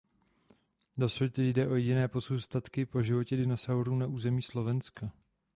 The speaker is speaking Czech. Dosud jde o jediné pozůstatky po životě dinosaurů na území Slovenska.